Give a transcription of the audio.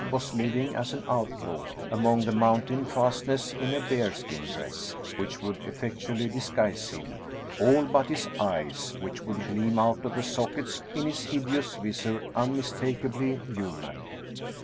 39 was liying as an outlaw among the mountain fastnesses in a bearskin dress, which would effectually disguise him — aU but his eyes — which would gleam out of the sockets in his hideous visor, unmistakably human.